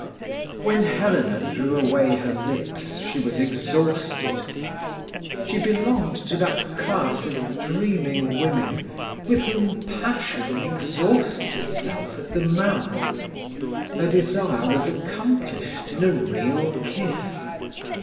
When Helena drew away her lips, she was exhausted. She belonged to that class of "dreaming women" with whom passion exhausts itself at the mouth. Her desire was accomplished in a real kiss.